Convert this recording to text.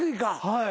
はい。